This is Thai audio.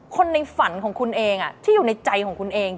คนในฝันของคุณเองที่อยู่ในใจของคุณเอง